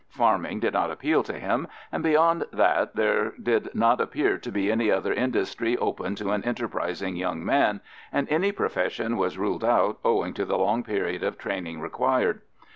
Farming did not appeal to him, and beyond that there did not appear to be any other industry open to an enterprising young man, and any profession was ruled out owing to the long period of training required.